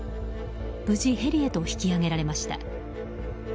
無事、ヘリへと引き上げられました。